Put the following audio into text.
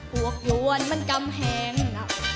พวกหยวนมันกำแหงหนัก